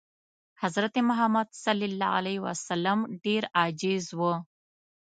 حضرت محمد ﷺ ډېر عاجز و.